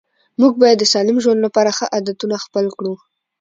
موږ باید د سالم ژوند لپاره ښه عادتونه خپل کړو